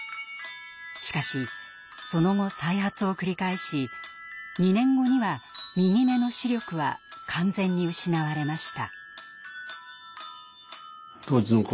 しかしその後再発を繰り返し２年後には右目の視力は完全に失われました。